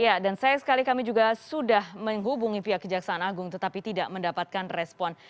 ya dan sayang sekali kami juga sudah menghubungi pihak kejaksaan agung tetapi tidak mendapatkan respon